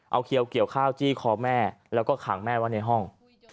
เอาเขียวเกี่ยวข้าวจี้คอแม่แล้วก็ขังแม่ไว้ในห้อง